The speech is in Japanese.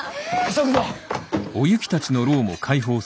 急ぐぞ！